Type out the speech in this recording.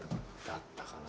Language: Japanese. だったかなぁ。